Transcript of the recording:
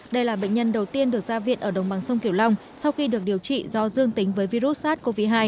đây là bệnh nhân đầu tiên được ra viện ở đồng bằng sông kiểu long sau khi được điều trị do dương tính với virus sars cov hai